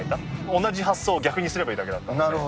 同じ発想を逆にすればいいだけなんで。